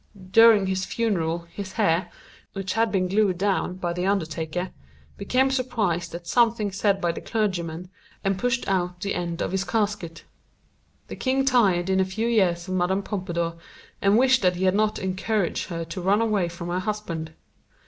During his funeral his hair, which had been glued down by the undertaker, became surprised at something said by the clergyman and pushed out the end of his casket. The king tired in a few years of Mme. Pompadour and wished that he had not encouraged her to run away from her husband.